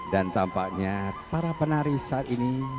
tampaknya para penari saat ini